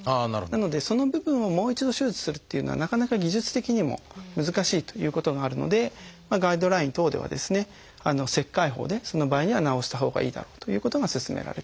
なのでその部分をもう一度手術するっていうのはなかなか技術的にも難しいということがあるのでガイドライン等ではですね切開法でその場合には治したほうがいいだろうということが勧められています。